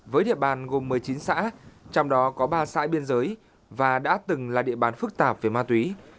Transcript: với địa bàn gồm một mươi chín xã trong đó có ba xã biên giới và đã từng là địa bàn phức tạp về ma túy